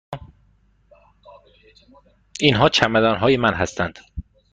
اینها چمدان های من هستند.